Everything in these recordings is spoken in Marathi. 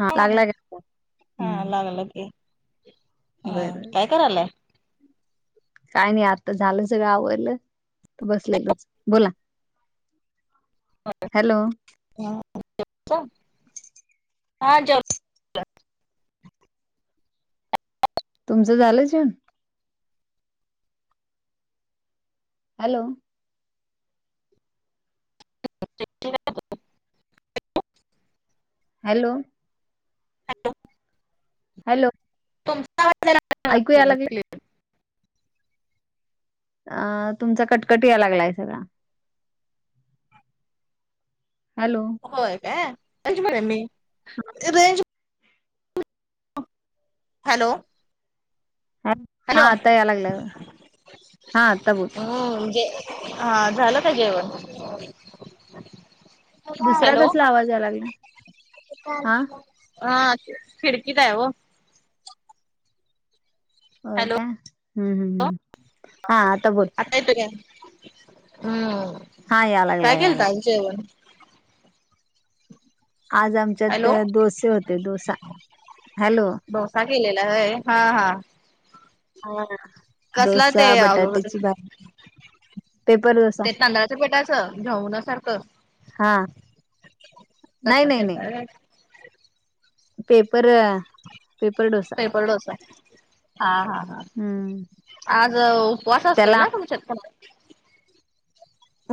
हा हो लागला का फोन? हा, हम्म लागला कि बरं काय करालाय? काय नाही, आता झालं सगळच आवरलं तर बसलोयचं बोला. हॅलो! हा जेवला? हा जेव तुमचं झालं जेवण? हॅलो! हॅलो! हॅलो! हॅलो! तुमचा आवाज जरा ऐकू या अडकतो, लागले क्लिअर अ तुमचा कटकट याय लागलाय सगळा. हॅलो! होय, काय [unintelligible] मी रेंज हॅलो! हा, हॅलो आता याय लागलाय हा आता बोल. हो म्हणजे, झाल का जेवण? दुसरा हॅलो! कसला आवाज याय लागला हा हा खिडकीत हाय ओ. होय हॅलो काय, हम्म हम्म हा आता बोल. देतो घ्या, हम, हा या लागला काय या लागला केलता [unintelligible] जेवण? आज आमच्यात हॅलो डोसे होते डोसा हँलो! डोसा केलेला होय हा हा. हा कसला ते डोसा, बटाट्याची भाजी पेपर डोसा. ते तांदळाच्या पिठाचं घावना सारखं. हा तस नाही नाही नाही केलता होय. पेपर - - पेपरडोसा. हा, हा, हा. हम्म आज उपवास असतोय त्याला ना तुमच्यात पण?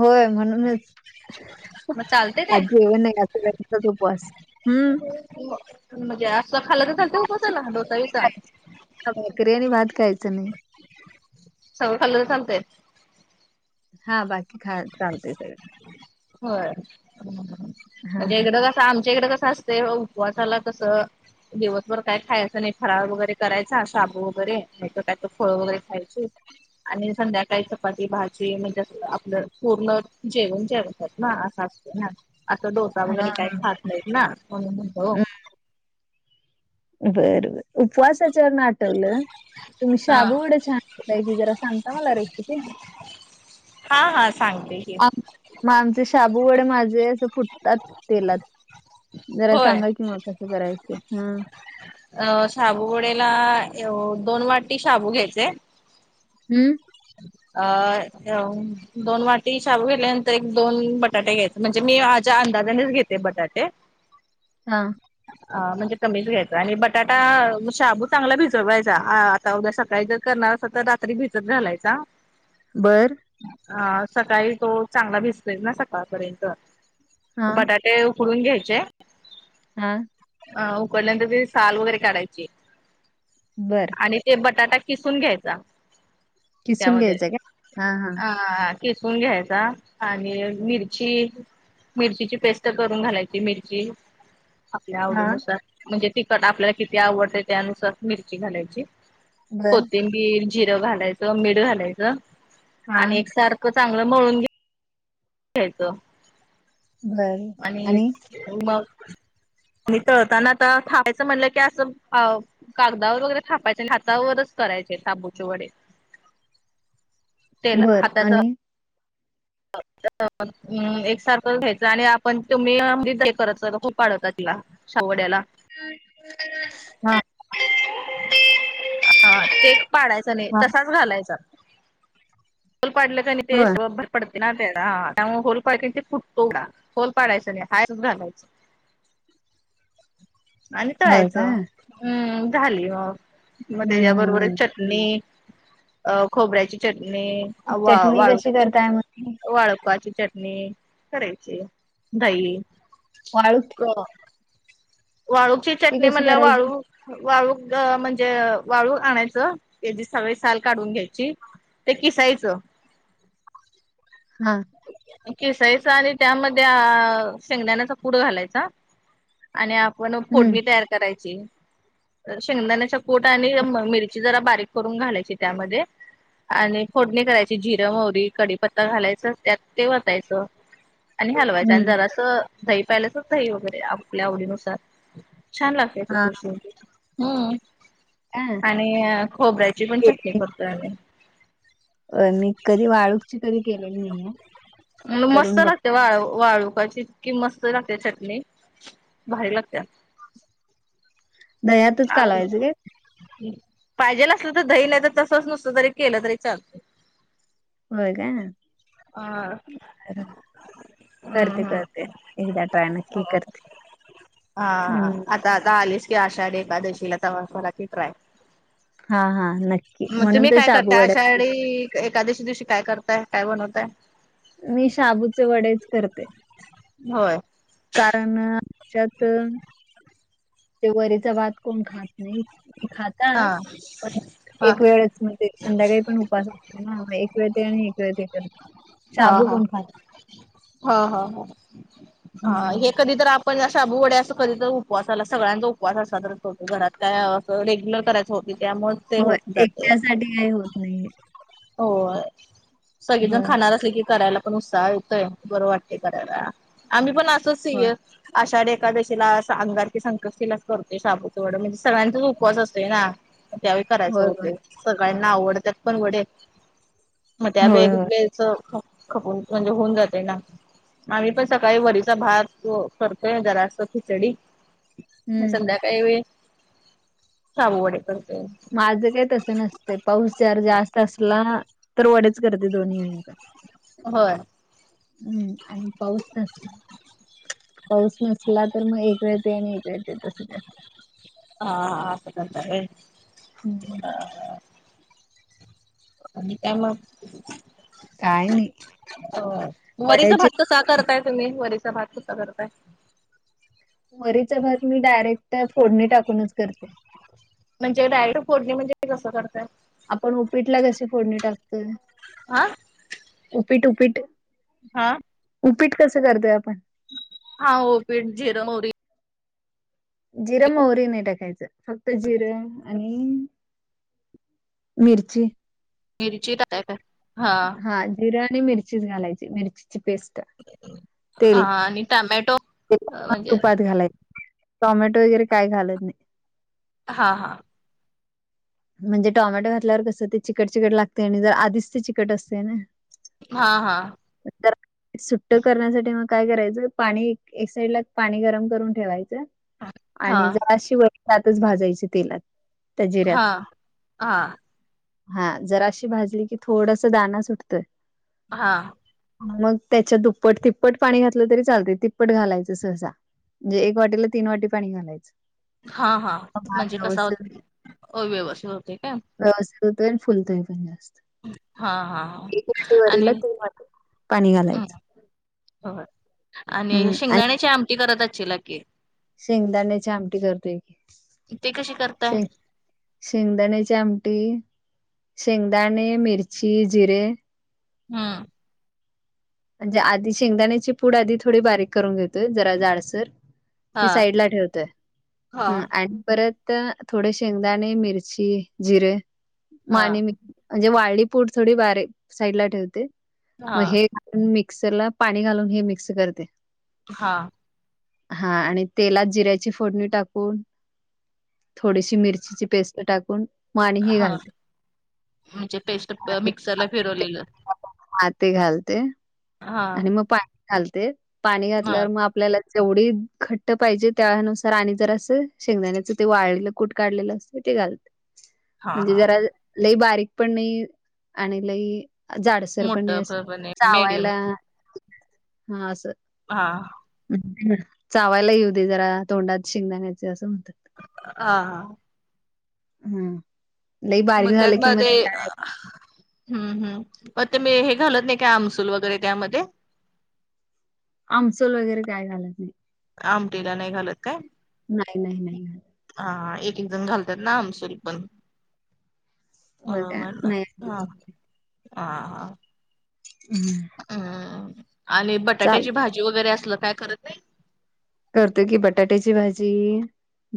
होय. म्हणूनच मग चालते ते आज जेवण नाही. सगळ्याचाच उपवास. हम्म म म्हणजे असं खाल्ल तर चालतयं भाजी उपसायला नाही डोसाबीसा. खायची भाकरी आणि भात खायचं नाही. सगळं खाल्लतर चालतयं. हा. बाकी खायाला चालतय सगळं. होय. म्हणजे हा इकड आमच्याकड कसं असतयं. उपवासाला कसं दिवसभर काय खायचं नाही. फराळ वगैरे करायचा. शाबू वगैरे नाहीतर कायतर फळ वगैरे खायची. आणि संध्याकाळी चपाती, भाजी म्हणजे आपलं पूर्ण जेवण जेवायचं. असं असत ना. असं डोसा हा वगैरे काही खात नाहीत ना. म्हणुन म्हंटलं ओ. बरं. बरं. उपवासच वरन आठवलं तुम्ही हा शाबू वड छान करतायं की जरा सांगता मला रेसीपी. हा. हा. सांगते की. आम मग आमचे शाबू वडे माझे अस फुटतात तेलात. जरा होय सांगा कि मग कसं करायचं ते. ह. अ साबु वडेला य दोन वाटी शाबू घ्यायचे. हम्म. अ दोन वाटी शाबू घेल्यानंतर एक, दोन बटाटे घ्यायचे. म्हणजे मी माझ्या अंदाजानेच घेते बटाटे. हा. म्हणजे कमीच घ्यायच आणि बटाटा शाबू चांगला भिजवायचा. आता उद्या सकाळी जर करणार अस तर रा - - त्री भिजत घालायचा. बरं. अ सकाळी तो चांगला भिजतो ना सकाळपर्यंत. हा बटाट - - ते उकडून घ्यायचे. हा. अ उकडल्यानंतर तेजीसाल वगैरे काढायची. बरं. आणि ते बटाटा किसून घ्यायचा. किसून त्यामध्ये घ्यायचं का? हा हा. अ किसून घ्यायचा आणि मिरची - - मिरचीची पेस्ट करून घालायची. मिरची - - आपल्या हा. आवडीनुसार म्हणजे तिखट आपल्याला किती आवडते त्यानुसार मिरची घालायची. बर. कोथिंबीर, जिरं घालायचं. मीठ घालायचं हा. आणि एक सार - - ख चांगल मळून घ्या यच आणि मग. आणि तळताना आता थांपायचं म्हणलं की असं कागदावर वगैरे थापायचे नाही. हातावरच करायचे शाबुचे वडे. बरं. आणि [unintelligible] हम एकसारखं घ्यायचं आणि आपण तुम्ही [unintelligible] शाबु वड्याला. हा [inaudible] ह ते पाडायच नाही हा. तसाच घालायचा. होल पाडल - - क होय. तेेस वर [unintelligible] पडते ना त्याला त्यामुळे होल पाड ते फुटतो वडा होल पाडायचां नाही हाय असचं घालायच. आणि होय का? तळायचं अम् झाली म. मग हम्म हम्म त्याच्याबरोबरच हम्म. एक - - चटणी अ खोबऱ्याची चटणी, वा चटणी कशी करताय मग? वाळूक वाळपाची चटणी करायची दही वाळुक वाळूची ती चटणी कशी म्हणलं करायची? वाळू वाळूक म्हणजे वाळूक आणायचं त्याची सगळी साल काढून घ्यायची ते किसायचं हा केिसायचा आणि त्यामध्ये शेंगदाण्याचा कुट घालायचा आणि आपण हम्म. फोडणी तयार करायची शेंगदाण्याच्या कुट आणि मिरची जरा बारीक करून घालायची त्यामध्ये आणि फोडणी करायची जिरं मोरी कडीीपत्ता घालायचं त्यात ते वतायचं आणि हलवायचं आणि हम्म. जरासं दही पाहिल्याचच दही वगैरे आपल्या आवडीनुसार छान लागत हा ् का? आणि खोबऱ्याची पण चटणी केली. करतो ह अ मी कधी वाळू [unintelligible] तरी आहे [unintelligible] म मस्त लागते वाळू वाळूकची कि मस्त लागते चटणी भारी लागते दह्यातच आ कालवायचं काय? पाहिजेल नसलं तर दही नाही तर तसच नुसत तरी केलं तरी चालत हो काय अ करते हम्म हम्म. करते एकदा ट्राय नक्की करते हा हम्म. आता आता आलीस की आशाढी एकादशीला तरा क ट्राय हा हा नक्की म्हणून तर शाबू वड्यात री एकादशी दिवशी काय करताय काय बनवताय मी शाबूचे वडेच करते होय कारण च्यातुन ते वरीचा भात कोण खात नाही हा खातात पण हा एक वेळ म्हणजे संध्याकाळी पण उपावास असते ना एक वेळ ते आणि एक वेळ ते करत साबू कोण खात हो हा हम्म हे कधी तर आप पण शाबूवड्या असं कधी तर उपवासा आला सगळ्यांचा उपवास असला तर घरात काय रेग्युलर करायचं होते त्यामुळे ते हो होत एकट्यासाठी काही होत नाही हो सगळेजण होय खाणार असले की करायला ण उत्साह येतय बरं वाटते करायला आम्ही पण असच होय आषाढ्या एकादशीला अंगारकी संकष्टीलाच करतोय शाबूचे वड म्हणजे सगळ्यांचाच उपवास असतोय ना त्यावेळी करायचं होय होय होते सगळ्यांना आवडत्यात पण वडे मग त्या वेळ होय होय वेळच खपून म्हणजे होऊन जाते ना आम्ही पण सकाळी वरीचा भात करतोय जरास्त खिचडी आणि हम्म संध्याकाळी व साबू वडे करतेय माझं काही तसं नसतय पाऊस जर जास्त असला तर वडेच करते दोन्ही वेळीवर होय हम्म आणि पाऊस नसला पाऊस नसला तर मग एक वेळ ते आणि एक वेळ ते तसं ते हा असं करता होय हम् ह [unintelligible] आणि त्या मग काय नाही वरीचा वड्याची भात [unintelligible] कसा करताय तुम्ही वरीचा भात कसा करताय वरीचा भात मी डायरेक्ट फोडणी टाकूनच करते म्हणजे, डायरेक्ट फोडणी म्हणजे, ते कसं करताय? आपण उपीटला कशी? फोडणी टाकतोय. [unintelligible] उपीट, उपीट. हा. उपीट कसं करताय आपण? हा, उपीट जिरं, महूरी जिरं -महूरी नाही टाकायचं. फक्त जिरं आणि मिरची. मिरची [unintelligible] काय. हा. हा, जिरं आणि मिरचीच घालायची. मिरचीची पेस्ट [inaudible] हा तेल आणि टोमॅटो, म्हणजे घालाय. टोमॅटो वगैरे काय घालत नाही. हां हां. म्हणजे टोमॅटो घातल्यावर, कसं ते चिकट- चिकट लागतंय आणि जर आधीच ते चिकट असते ना. हा, हा. तर सुट्ट करण्यासाठी मग काय करायचं. पाणी, एक साइड ला पाणी गरम करून ठेवायचं. हा आणि जराशी [unintelligible] भाजायची तेलात. त्या जिऱ्यात हा, हा. हा जराशी भाजली की, थोडस दाणा सुटतंय. हा. मग त्याच्या दुप्पट, तिप्पट पाणी घातलं तरी चालतय. तिप्पट घालायचं सहसा. म्हणजे एक वाटीला, तीन वाटी पाणी घालायचं. हा, हा. मग भात म्हणजे कसा व्यवस्थित अ व्यवस्थित होते काय? व्यवस्थित होतोय अन् फुलतोय पण जास्त. हा हा हा एक [unintelligible] तीन आणि वाटी पाणी घालायचं. होय. आणि शेंगदाण्याची आमटी करत असचीला की? शेंगदाण्याची आमटी करतोय की ते कशी करताय? शेंग शेंगदाण्याची आमटी. शेंगदाणे, मिरची, जिरे. हम्म. म्हणजे आधी शेंगदाण्याची पूड, आधी थोडी बारीक करून घेतोय, जरा जाडसर. हा ती साईडला ठेवतोय. हा हम्म. आणि परत तर थोडे शेंगदाणे, मिरची, जिरं [unintelligible] हा म्हणजे वाळी पूड थोडी बारीेक, साईड ला ठेवते. हा मग हे मिक्सर ला पाणी घालून, हे मिक्स करते. हा. हा, आणि तेलात जिऱ्याची फोडणी टाकून थोडीशी मिरचीची पेस्ट टाकून मग आणि हे हा, घालते. म्हणजे पेस्ट प मिक्सरला फिरवलेलं. हा ते घालते. हा आणि मग पाणी घालते. पाणी हा घातल्यावर मग आप आपल्याला जेवढी घट्ट पाहिजे, त्यानुसार आणि जर असं, शेंगदाण्याच ते वाळलेलं कूट काढलेलं अस ते घालत. हा म्हणजे हा. जरा, लई बारीक पण नाही, आणि लई जाडसर पण मोठं नाही. नाही मीडियम चावायला, हा असं. हा. [unintelligible] चावायला येऊ दे जरा, तोंडात शेंगदाण्याचे असं म्हणतात. [inaudible] हा, हा. हम्म. मग त्यातमध्ये [unintelligible] हं, हं. मग ते मी हे घालत नाही काय, आमसूल वगैरे त्यामध्ये. आमसुल वगैरे काय घालत नाही. आमटीला नाही घालत काय? नाही नाही नाही! हा एक एक जण घालतात ना आमसुल पण! होय का? बरोबर ना नाही. हा हा हा! [unintelligible] आणि बटाट्याची चालतंय. भाजी वगैरे असलं काय करत नाही? करते की बटाट्याची भाजी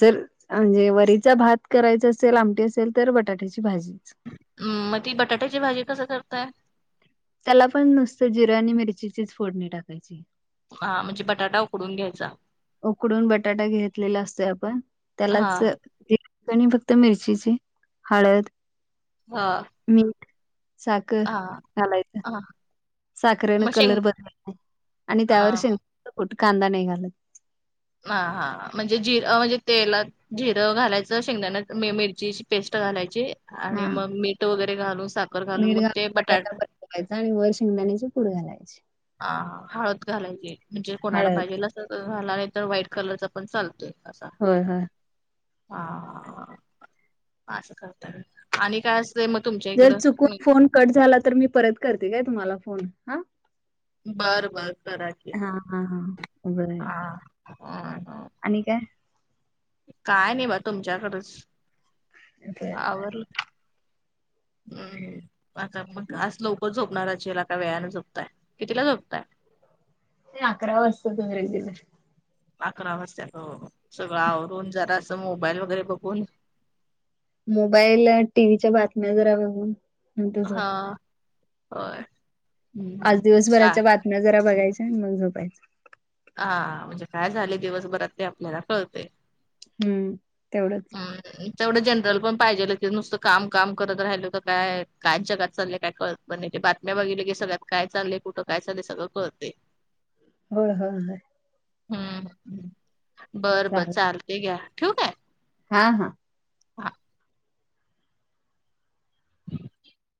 जर म्हणजे वरीचा भात करायचा असेल आमटी असेल तर बटाट्याची भाजी. हम् मग ती बटाट्याची भाजी कसं करताय? त्याला पण नुसतं जिरं आणि मिरचीचीच फोडणी टाकायची. हा म्हणजे बटाटा उकडून घ्यायचा? उकडून बटाटा घेतलेला असतो आपण हा त्यालाच आणि फक्त मिरचीची हळद हा मीठ साखर हा घालायचं. हा साखरेन मग शेंग कलर बनत नाही आणि हा त्यावर शेंगदाण्याचं कूट, कांदा नाही घालत. ह हा म्हणजे जिर म्हणजे तेलात जिरं घालायचं शेंगदाण्यात मिरचीची पेस्ट घालायची आणि हा मग मीठ वगैरे घालून साखर घालून मग ते बटाटा घालायचं आणि वर शिंगदाण्याचे पुढ घालायची. ह हळद घालायची म्हणजे कोणाला हळद पाहिजल झाला नाही तर व्हाईट कलरचा पण चालतोय असा. होय होय. हा असं करत म आणि काय अस म तुमच्या जर इकडं चुकून फोन कट झाला तर मी परत करते काय तुम्हाला फोन हा? बर बर करा की. हा हा हा बरं आणि काय? काय नाही बा तुमच्याकडच बर बर आवरल हम् आता मग आज लवकर झोपणार अशीला, का वेळानं झोपताय, कितीला झोपताय? ते अकरा वाजता अकरा वाजतात सगळं आवरून जरा असं मोबाईल वगैरे बघून मोबाईल टीव्हीच्या बातम्या जरा बघून नंतर हा होय झोपतो. आज हम्म सा दिवसभराच्या बातम्या जरा बघायचा आणि मग झोपायच. हा म्हणजे काय झाले दिवसभरात ते आपल्याला कळतय. हम्म तेवढंच! तेवढं जनरल पण पाहिजेल की नुसतं काम काम करत राहिल तर काय काय जगात चाललंय काय कळत पण नाही ते बातम्या बघितल्या की सगळ्यात काय चाल कुठं काय चाल सगळंतय. होय होय होय. हम्म! बरं बर चालेल चालते घ्या ठेऊ काय? हा हा! [inaudible]